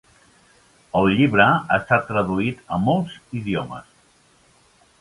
El llibre ha estat traduït a molts idiomes.